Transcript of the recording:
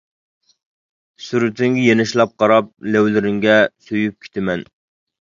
-سۈرىتىڭگە يېنىشلاپ قاراپ، لەۋلىرىڭگە سۆيۈپ كېتىمەن.